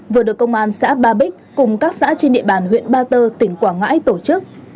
vừa được công an xã ba bích cùng các xã trên địa bàn huyện ba tơ tỉnh quảng ngãi tổ chức